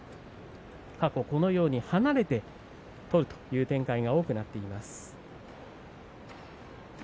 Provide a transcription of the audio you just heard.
過去、離れて取るという展開が多くなっています。